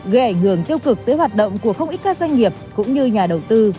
gây ảnh hưởng tiêu cực tới hoạt động của không ít các doanh nghiệp cũng như nhà đầu tư